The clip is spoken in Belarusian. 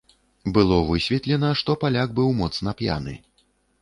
Было высветлена, што паляк быў моцна п'яны.